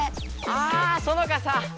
あそのかさ！